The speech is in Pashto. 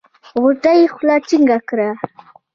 غوټۍ خوله جينګه کړه.